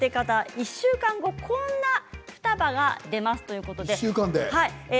１週間後こんな双葉が出ますということで。